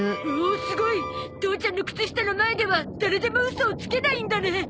父ちゃんの靴下の前では誰でもウソをつけないんだね。